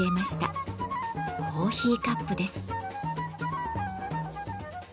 コーヒーカップです。